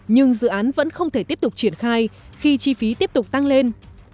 nhưng dự án vẫn không thể tiếp tục triển khai khi chi phí tiếp tục tăng lên